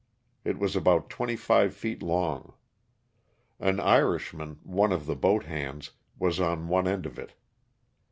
It was about twenty five feet long. An Irishman, one of the boat hands, was on one end of it.